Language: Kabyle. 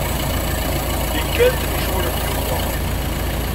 Ikad-d icɣel-d Yuba.